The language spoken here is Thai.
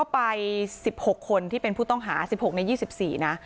ไป๑๖คนที่เป็นผู้ต้องหา๑๖ใน๒๔นะ